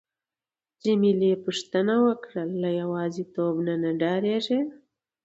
جميله پوښتنه وکړه: ته له یوازیتوب نه ډاریږې؟